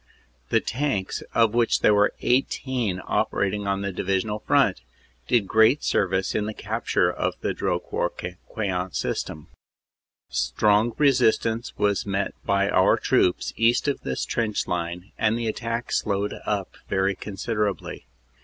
The Tanks, of which there were 18 operating on the divisional front, did great service in the capture of the Drocourt Queant system. 159 160 CANADA S HUNDRED DAYS "Strong resistance was met with by our troops east of this trench line, and the attack slowed up very considerably.